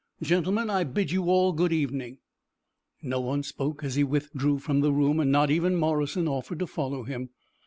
Gentlemen, I bid you all good evening." No one spoke as he withdrew from the room, and not even Morrison offered to follow him.